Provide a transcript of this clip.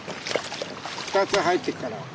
２つ入ってっから。